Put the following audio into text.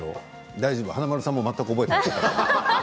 大丈夫、華丸さんも全然覚えてないから。